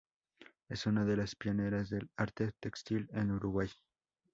Es una de las pioneras del arte textil en Uruguay.